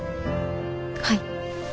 はい。